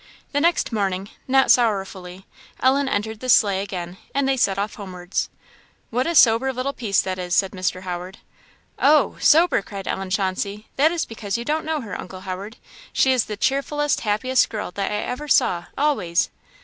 The next morning, not sorrowfully, Ellen entered the sleigh again, and they set off homewards. "What a sober little piece that is!" said Mr. Howard. "Oh! sober!" cried Ellen Chauncey; "that is because you don't know her, Uncle Howard. She is the cheerfullest, happiest girl that I ever saw always."